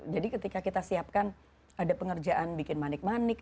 jadi ketika kita siapkan ada pengerjaan bikin manik manik